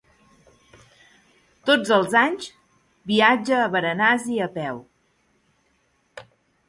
Tots els anys viatja a Varanasi a peu.